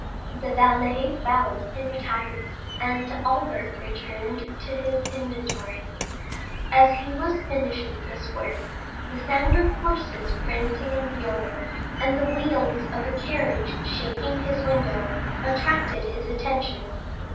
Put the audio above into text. The valet bowed and retired, and Albert returned to his inventory. As he was finishing this work, the sound of horses prancing in the yard, and the wheels of a carriage shaking his window, attracted his attention.